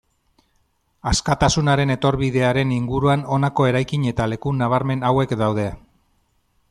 Askatasunaren etorbidearen inguruan honako eraikin eta leku nabarmen hauek daude.